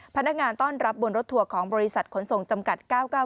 พนักงานต้อนรับบนรถทัวร์ของบริษัทขนส่งจำกัด๙๙